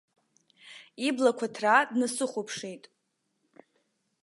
Иблақәа ҭраа днасыхәаԥшит.